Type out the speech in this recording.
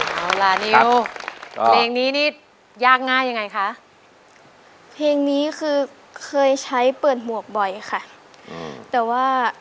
เอาล่ะนิวเพลงนี้นี่ยากง่ายยังไงคะเพลงนี้คือเคยใช้เปิดหมวกบ่อยค่ะแต่ว่า